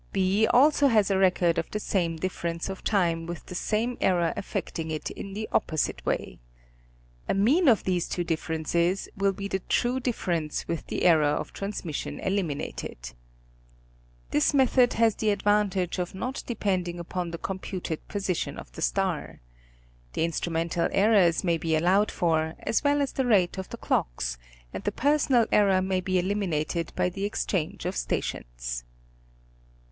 B also has a record of the same difference of time with the same error affecting it in the opposite way. A mean of these 4 National Geographic Magazine. two differences, will be the true difference with the error of trans mission eliminated. This method has the advantage of not depending upon the computed position of the star. The instru mental errors may be allowed for, as well as the rate of the clocks, and the personal error may be eliminated by the exchange of stations.